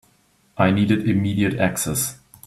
I needed immediate access.